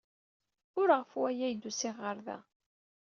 Ur ɣef waya ay d-usiɣ ɣer da.